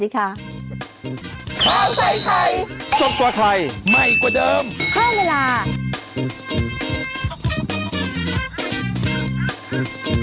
ขอบคุณค่ะคุณค่ะได้เลยค่ะเราเจอกันค่ะ